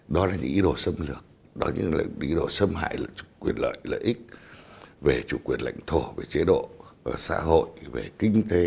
đó là những ý đồ xâm lược đó là những ý đồ xâm hại lợi ích về chủ quyền lãnh thổ về chế độ về xã hội về kinh tế học công